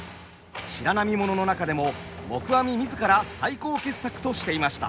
「白浪もの」の中でも黙阿弥自ら最高傑作としていました。